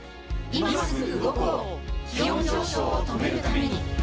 いますぐ動こう、気温上昇を止めるために。